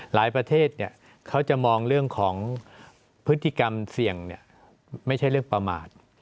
ประเทศเขาจะมองเรื่องของพฤติกรรมเสี่ยงไม่ใช่เรื่องประมาท